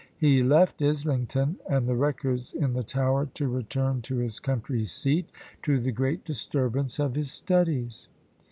" He left Islington and the records in the Tower to return to his country seat, to the great disturbance of his studies.